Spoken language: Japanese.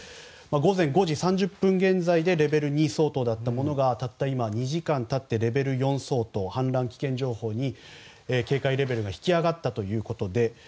午前５時３０分現在レベル２だったものがたった今、２時間経ってレベル４相当氾濫危険情報に、警戒レベルが引き上がったということで。